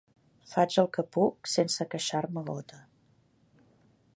Faig el que puc sense queixar-me gota.